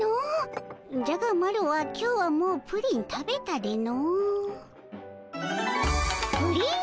じゃがマロは今日はもうプリン食べたでの。